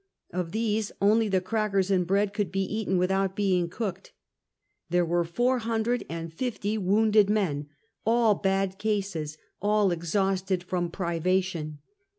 Of these only the crackers and bread could be eaten without being cooked. There were four hundred and fifty wounded men — all bad cases, all exhausted from privation.